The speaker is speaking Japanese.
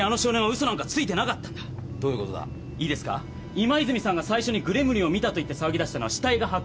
今泉さんが最初にグレムリンを見たと言って騒ぎ出したのは死体が発見される